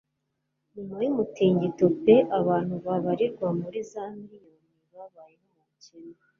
Nyuma y'umutingito pe abantu babarirwa muri za miriyoni babayeho mu bukene